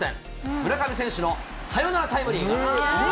村上選手のサヨナラタイムリー。